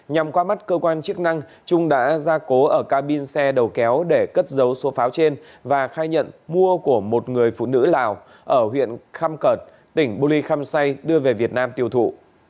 nhằm qua mắt cơ quan chức năng trung đã ra cố ở cabin xe đầu kéo để cất dấu số pháo trên và khai nhận mua của một người phụ nữ lào ở huyện kham cợt tỉnh bô ly khăm say đưa về việt nam tiêu thụ